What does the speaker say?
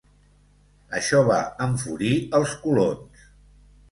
Això va enfurir els colons.